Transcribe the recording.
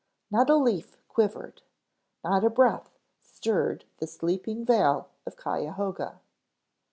Not a leaf quivered. Not a breath stirred the sleeping vale of Cuyahoga.